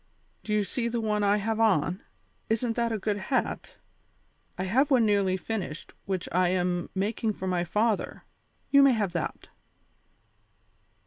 Do you see the one I have on? Isn't that a good hat? I have one nearly finished which I am making for my father; you may have that."